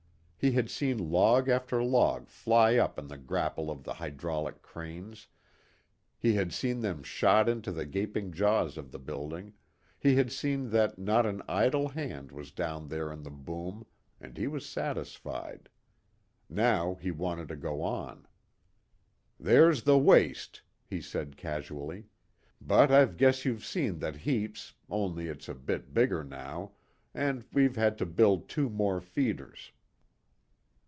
He had seen log after log fly up in the grapple of the hydraulic cranes, he had seen them shot into the gaping jaws of the building, he had seen that not an idle hand was down there in the boom, and he was satisfied. Now he wanted to go on. "There's the 'waste,'" he said casually. "But I guess you've seen that heaps, only it's a bit bigger now, and we've had to build two more 'feeders.'"